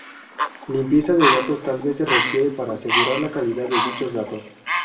Limpieza de datos tal vez se requiere para asegurar la calidad de dichos datos.